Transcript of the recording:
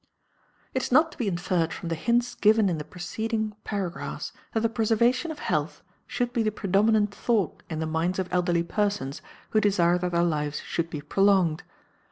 It is not to be inferred from the hints given in the preceding paragraphs that the preservation of health should be the predominant thought in the minds of elderly persons who desire that their lives should be prolonged.